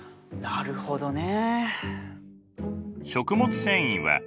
なるほどね。